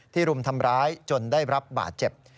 รุมทำร้ายจนได้รับบาดเจ็บ